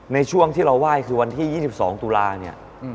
ในช่วงที่เราไหว้คือวันที่๒๒ตุลาเนี่ย